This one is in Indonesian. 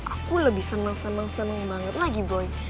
aku lebih seneng seneng seneng banget lagi boy